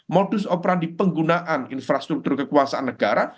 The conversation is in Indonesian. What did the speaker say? modus operandi penggunaan infrastruktur kekuasaan negara